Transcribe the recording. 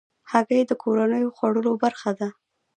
هګۍ د کورنیو خوړو برخه ده.